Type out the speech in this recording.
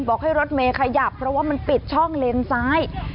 บอกให้รถเมย์ขยับเพราะว่ามันปิดช่องเลนซ้าย